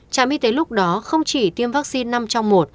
trạm y tế lúc đó không chỉ tiêm vaccine năm trong một